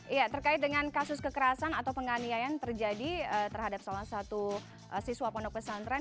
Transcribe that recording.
iya terkait dengan kasus kekerasan atau penganiayan terjadi terhadap salah satu siswa pendukus antren